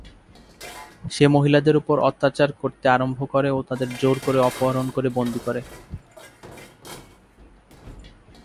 সে মহিলাদের ওপর অত্যাচার করতে আরম্ভ করে ও তাদের জোর করে অপহরণ করে বন্দী করে।